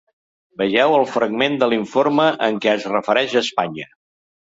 Vegeu el fragment de l’informe en què es refereix a Espanya.